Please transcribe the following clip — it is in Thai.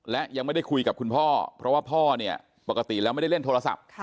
และยังไม่ได้คุยกับคุณพ่อเพราะว่าพ่อเนี่ยปกติแล้วไม่ได้เล่นโทรศัพท์